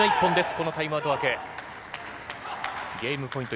このタイムアウト明け。